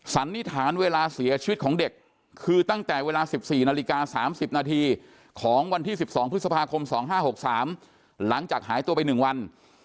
สันนิษฐานเวลาเสียชีวิตของเด็กคือตั้งแต่เวลา๑๔นาฬิกา๓๐นาทีของวันที่๑๒พฤษภาคม๒๕๖๓หลังจากหายตัวไป๑วัน